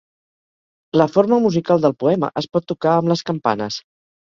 La forma musical del poema es pot tocar amb les campanes.